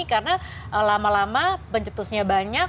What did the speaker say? karena lama lama pencetusnya banyak